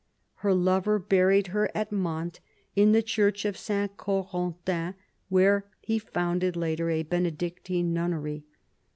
Her lover buried her at Mantes in the Church of S. Corentin, where he founded later a Benedictine nunnery.